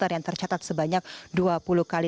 yang tercatat sebanyak dua puluh kali